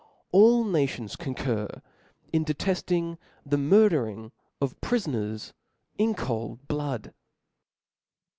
All nations * concur in detefting the murdering of prifoners in coldtlood.